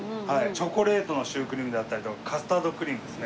チョコレートのシュークリームだったりとかカスタードクリームですね。